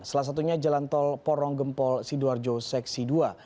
salah satunya jalan tol porong gempol sidoarjo seksi dua